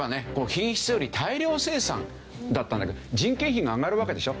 品質より大量生産だったんだけど人件費が上がるわけでしょ。